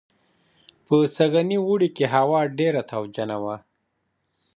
په سږني اوړي کې هوا ډېره تاوجنه وه